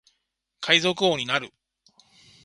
海賊王になる